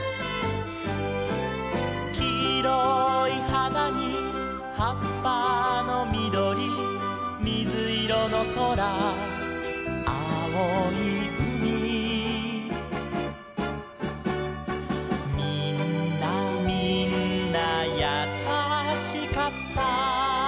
「きいろいはなにはっぱのみどり」「みずいろのそらあおいうみ」「みんなみんなやさしかった」